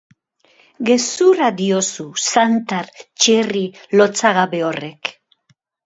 Gezurra diozu, zantar, txerri, lotsagabe horrek!